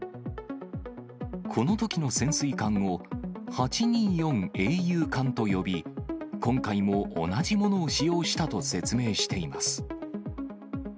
このときの潜水艦を８・２４英雄艦と呼び、今回も同じものを使用したと説明しています。